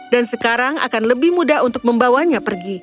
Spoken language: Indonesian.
dan sekarang akan lebih mudah untuk membawanya pergi